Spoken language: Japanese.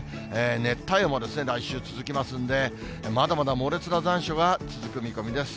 熱帯夜もですね、来週、続きますんで、まだまだ猛烈な残暑が続く見込みです。